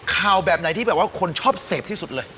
แบบไหนที่แบบว่าคนชอบเสพที่สุดเลย